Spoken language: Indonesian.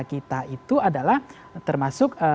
kita itu adalah termasuk